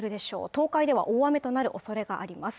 東海では大雨となるおそれがあります